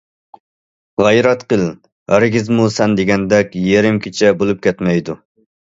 غەيرەت قىل، ھەرگىزمۇ سەن دېگەندەك يېرىم كېچە بولۇپ كەتمەيدۇ.